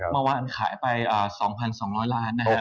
เมื่อวานขายไป๒๒๐๐ล้านนะครับ